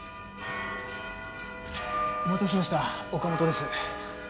お待たせしました岡本です。